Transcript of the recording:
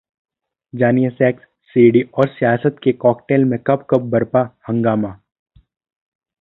जानिए, sex, CD और सियासत के कॉकटेल में कब-कब बरपा हंगामा!